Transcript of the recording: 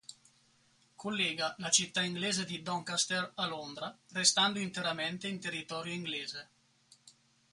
Collega la città inglese di Doncaster a Londra, restando interamente in territorio inglese.